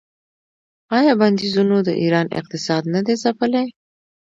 آیا بندیزونو د ایران اقتصاد نه دی ځپلی؟